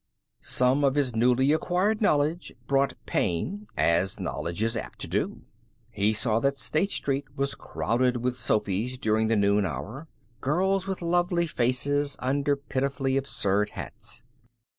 Some of his newly acquired knowledge brought pain, as knowledge is apt to do. He saw that State Street was crowded with Sophys during the noon hour; girls with lovely faces under pitifully absurd hats.